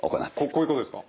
こういうことですか？